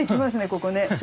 ここね。